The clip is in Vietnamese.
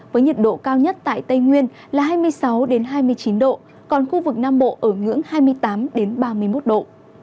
với nhiệt độ cao nhất tại tây nguyên là hai mươi sáu hai mươi chín độ còn khu vực nam bộ ở ngưỡng hai mươi tám ba mươi một độ